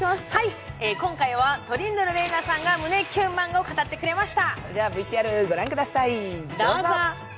今回はトリンドル玲奈さんが胸キュンマンガを語ってくれました。